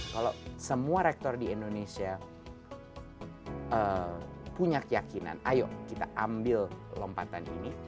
kalau semua rektor di indonesia punya keyakinan ayo kita ambil lompatan ini